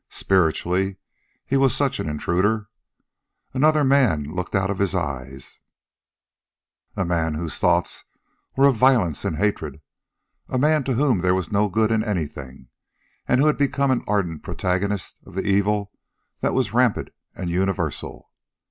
Spiritually he was such an intruder. Another man looked out of his eyes a man whose thoughts were of violence and hatred; a man to whom there was no good in anything, and who had become an ardent protagonist of the evil that was rampant and universal.